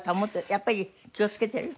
やっぱり気をつけてる？